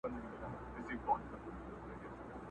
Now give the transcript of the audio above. څلورمه هغه آش هغه کاسه وه٫